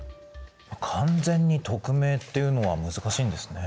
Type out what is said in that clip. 完全に匿名っていうのは難しいんですね。